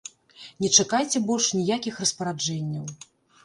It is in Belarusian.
Не чакайце больш ніякіх распараджэнняў.